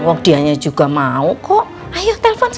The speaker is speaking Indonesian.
wok dianya juga mau kok ayo telfon